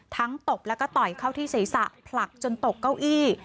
ตบแล้วก็ต่อยเข้าที่ศีรษะผลักจนตกเก้าอี้